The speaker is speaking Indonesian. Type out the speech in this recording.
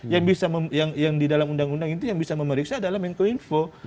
yang bisa yang di dalam undang undang itu yang bisa memeriksa adalah menko info